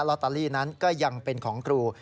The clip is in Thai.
อตเตอรี่นั้นก็ยังเป็นของครู